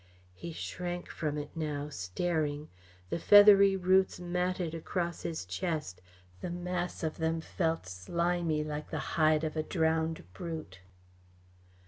He shrank from it now, staring. The feathery roots matted across his chest, the mass of them felt slimy like the hide of a drowned brute.